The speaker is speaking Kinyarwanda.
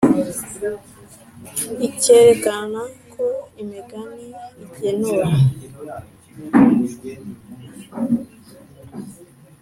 Ikerekana ko imigani igenura